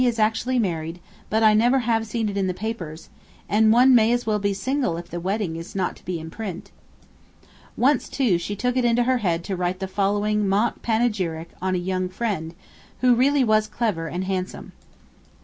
is actually married, but I have never seen it in the papers; and one may as well be single if the wedding is not to be in print.' Once, too, she took it into her head to write the following mock panegyric on a young friend, who really was clever and handsome: 1.